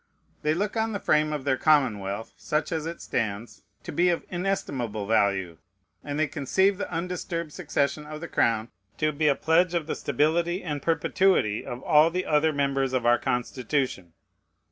They look on the frame of their commonwealth, such as it stands, to be of inestimable value; and they conceive the undisturbed succession of the crown to be a pledge of the stability and perpetuity of all the other members of our Constitution.